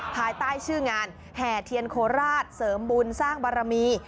ภายใต้ชื่องานแห่เทียนโคราชเสริมบุญสร้างบารมี